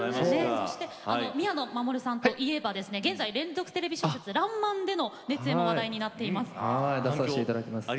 宮野真守さんといえば現在、連続テレビ小説「らんまん」にも熱演していただいています。